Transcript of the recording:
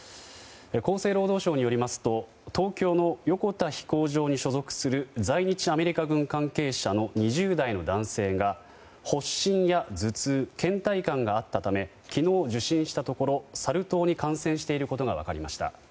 厚生労働省によりますと東京の横田飛行場に所属する在日アメリカ軍関係者の２０代の男性が発疹や頭痛、倦怠感があったため昨日受診したところ、サル痘に感染していることが分かりました。